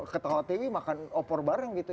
ketawa tewi makan opor bareng gitu